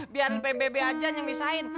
biar pbb aja yang misahin